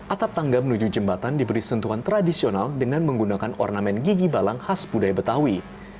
atap tangga menuju jembatan diberi sentuhan tradisional dengan menggunakan ornamen gigi balang khas budaya betawi